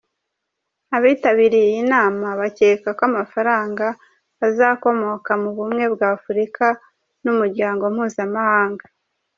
Abitabiriye iyi nama bakeka ko amafaranga azakomoka mu Bumwe bw’Afurika n’Umuryango mpuzamahanga.